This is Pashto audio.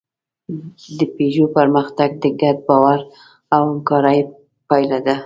د پيژو پرمختګ د ګډ باور او همکارۍ پایله ده.